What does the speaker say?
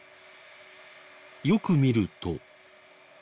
よく見ると。